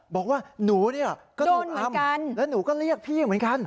บอกว่าหนูเนี่ยก็ถูกทำแล้วหนูก็เรียกพี่เหมือนกัน